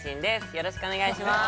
よろしくお願いします